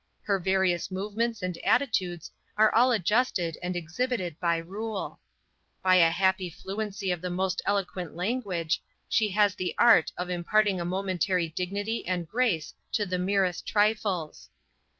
Her various movements and attitudes are all adjusted and exhibited by rule. By a happy fluency of the most eloquent language, she has the art of imparting a momentary dignity and grace to the merest trifles.